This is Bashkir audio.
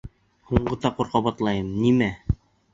Һуңғы тапҡыр ҡабатлайым, нимә?